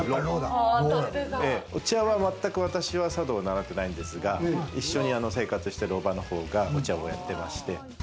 お茶はまったく私は茶道を習ってないんですが、一緒に生活してるおばの方がお茶をやってまして。